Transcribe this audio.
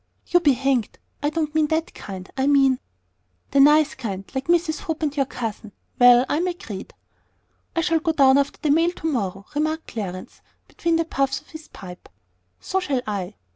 "You be hanged! I don't mean that kind. I mean " "The nice kind, like Mrs. Hope and your cousin. Well, I'm agreed." "I shall go down after the mail to morrow," remarked Clarence, between the puffs of his pipe. "So shall I."